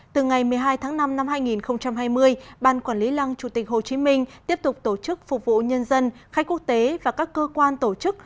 từ ngày một mươi hai tháng năm năm hai nghìn hai mươi ban quản lý lăng chủ tịch hồ chí minh tiếp tục tổ chức phục vụ nhân dân khách quốc tế và các cơ quan tổ chức